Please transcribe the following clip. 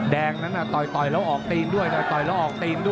แดงนั้นต่อยแล้วออกตีน